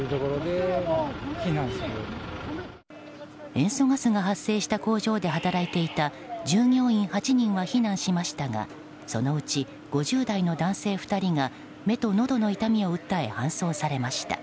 塩素ガスが発生した工場で働いていた従業員８人は避難しましたがそのうち５０代の男性２人が目とのどの痛みを訴え搬送されました。